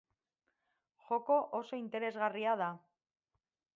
Joko oso interesgarria da.